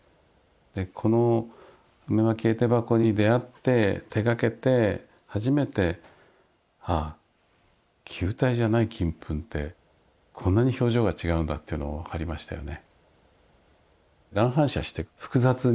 でこの「梅蒔絵手箱」に出会って手がけて初めてああ球体じゃない金粉ってこんなに表情が違うんだっていうのを分かりましたよね。